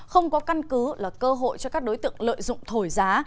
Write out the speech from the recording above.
không có căn cứ là cơ hội cho các đối tượng lợi dụng thổi giá